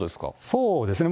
そうですね。